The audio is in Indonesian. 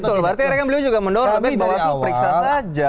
betul berarti mereka juga mendorong bawaslu periksa saja